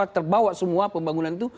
terbawa semua pembangunan itu